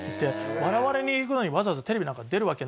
「笑われにいくのにわざわざテレビなんか出るわけないだろ」